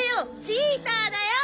チーターだよ！